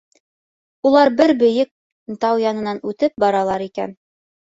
Улар бер бейек тау янынан үтеп баралар икән.